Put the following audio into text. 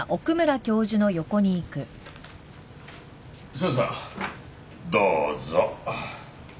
さあさどうぞ。